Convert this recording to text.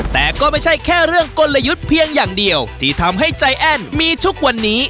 แต่ก็ไม่ใช่แค่เรื่องกลยุทธ์เพียงอย่างเดียวที่ทำให้ใจแอ้นมีทุกวันนี้